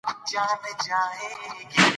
موضوعات او فلسفه: